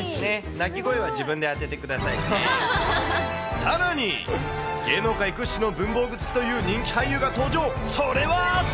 ねっ、さらに、芸能界屈指の文房具好きという人気俳優が登場、それは！